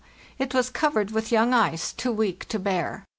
It was covered with young ice, too weak to bear.